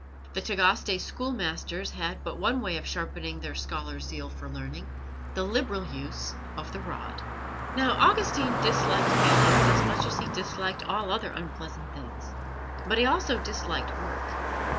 The Tagaste schoolmasters had but one way of sharpening their scholars' zeal for learning the liberal use of the rod. Now, Augustine disliked beatings as much as he disliked all other unpleasant things, but he also disliked work.